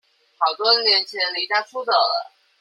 好多年前離家出走了